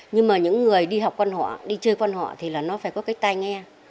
nhưng mà những người đi học quan họ đi chơi quan họ thì là nó phải có cái tai nghe